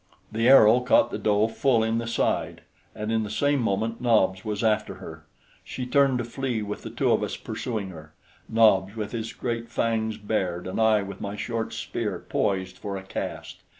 The arrow caught the doe full in the side, and in the same moment Nobs was after her. She turned to flee with the two of us pursuing her, Nobs with his great fangs bared and I with my short spear poised for a cast.